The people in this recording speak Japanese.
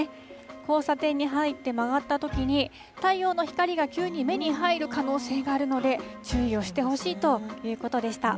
交差点に入って曲がったときに、太陽の光が急に目に入る可能性があるので、注意をしてほしいということでした。